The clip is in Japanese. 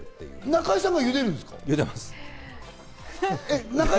中井さんが茹でるんですか？